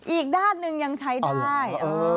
อีกด้านหนึ่งยังใช้ได้